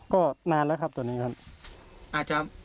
ก็นานแล้วครับตัวนี้ครับ